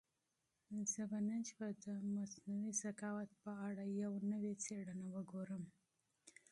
زه به نن شپه د مصنوعي ذکاوت په اړه یو نوی مستند وګورم.